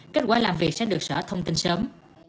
kết quả làm việc sẽ được sở thông tin sớm